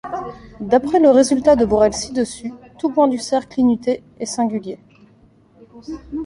D'après le résultat de Borel ci-dessus, tout point du cercle unité est singulier.